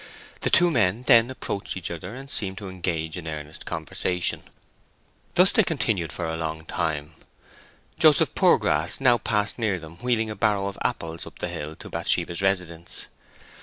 The two men then approached each other and seemed to engage in earnest conversation. Thus they continued for a long time. Joseph Poorgrass now passed near them, wheeling a barrow of apples up the hill to Bathsheba's residence.